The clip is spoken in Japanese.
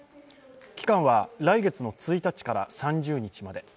期間は来月の１日から３０日まで。